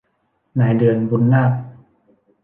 นายเดือน บุนนาค